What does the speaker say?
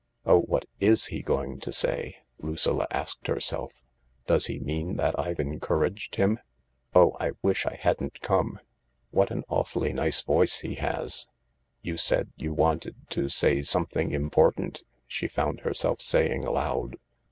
(" Oh, what is he going to say ?" Lucilla askfed herself. " Does he mean that I've encouraged him ? Oh, I wish I hadn't come. What an awfully nice voice he has 1 ")" You said you wanted to say something important," she found herself saying aloud.